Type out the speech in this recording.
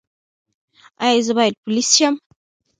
ایا زه باید پولیس شم؟